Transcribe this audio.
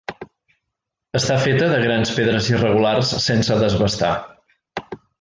Està feta de grans pedres irregulars sense desbastar.